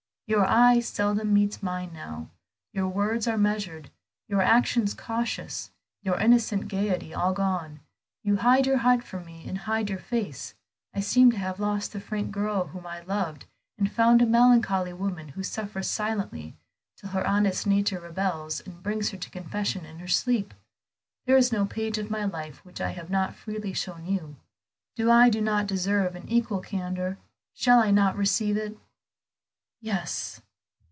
Your eye seldom meets mine now, your words are measured, your actions cautious, your innocent gayety all gone. You hide your heart from me, you hide your face; I seem to have lost the frank girl whom I loved, and found a melancholy woman, who suffers silently till her honest nature rebels, and brings her to confession in her sleep. There is no page of my life which I have not freely shown you; do I do not deserve an equal candor? Shall I not receive it?" "Yes."